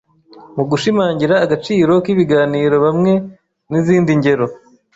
Mu gushimangira agaciro k’ibiganiro hamwe nizindi ngero